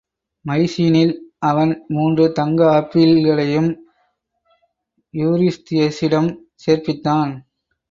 மைசீனில் அவன் மூன்று தங்க ஆப்பிள்களையும் யூரிஸ்தியஸிடம் சேர்ப்பித்தான்.